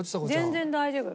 全然大丈夫。